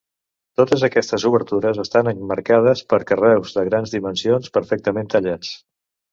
Totes aquestes obertures estan emmarcades per carreus de grans dimensions perfectament tallats.